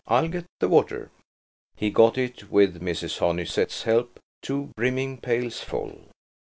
I'll get the water." He got it, with Mrs. Honeysett's help–two brimming pails full.